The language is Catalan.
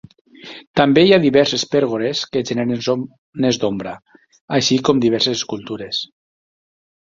També hi ha diverses pèrgoles que generen zones d'ombra, així com diverses escultures.